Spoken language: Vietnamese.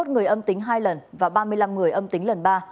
hai mươi người âm tính hai lần và ba mươi năm người âm tính lần ba